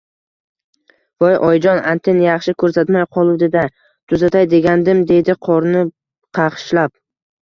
Voy oyijon, antenna yaxshi ko`rsatmay qoluvdi-da… tuzatay degandim, deydi qornini qashlab